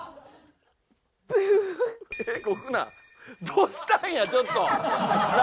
どうしたんやちょっと！